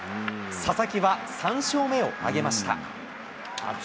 佐々木は３勝目を挙げました。